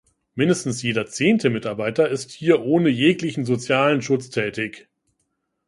Mindestens jeder zehnte Mitarbeiter ist hier ohne jeglichen sozialen Schutz tätig.